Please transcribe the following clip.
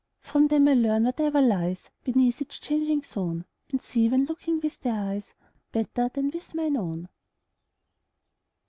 From them I learn whatever lies Beneath each changing zone, And see, when looking with their eyes, 35 Better than with mine own.